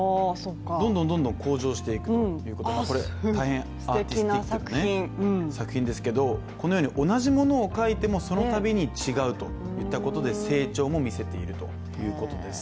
どんどん向上していくということで、これは大変アーティスティックな作品ですけど、このように、同じものを描いてもそのたびに違うということで成長も見せているということです。